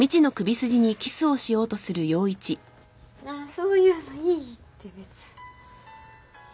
そういうのいいって別に。